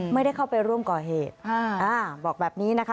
ไม่ได้เข้าไปร่วมก่อเหตุบอกแบบนี้นะคะ